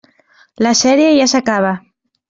La sèrie ja s'acaba.